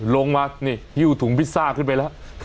ลงมานี่หิ้วถุงพิซซ่าขึ้นไปแล้ว